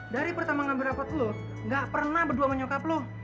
dari pertama ngambil rapat lo gak pernah berdua sama nyokap lo